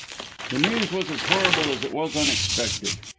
The news was as horrible as it was unexpected.